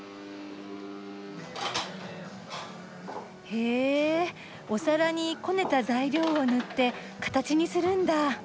へえお皿にこねた材料を塗って形にするんだ。